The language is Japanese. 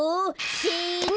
せの！